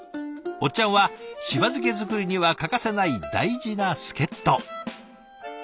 おっちゃんはしば漬け作りには欠かせない大事な助っと。